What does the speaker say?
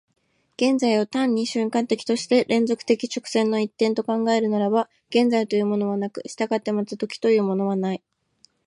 現在を単に瞬間的として連続的直線の一点と考えるならば、現在というものはなく、従ってまた時というものはない。